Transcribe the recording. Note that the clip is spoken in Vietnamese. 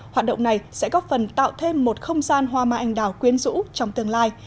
hoạt động này sẽ góp phần tạo thêm một không gian hoa mai anh đào quyến rũ trong tương lai